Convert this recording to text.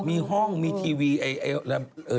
มีห้องมีทีวีไอ